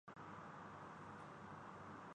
جس کا ڈر تھا۔